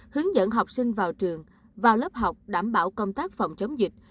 hướng dẫn học sinh vào trường vào lớp học đảm bảo công tác phòng chống dịch